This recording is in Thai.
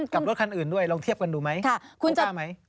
กับรถคันอื่นด้วยลองเทียบกันดูไหม